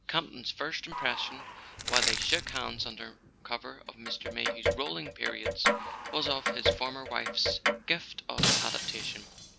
Campton's first impression, while they shook hands under cover of Mr. Mayhew's rolling periods, was of his former wife's gift of adaptation.